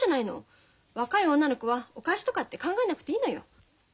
若い女の子はお返しとかって考えなくていいのよ。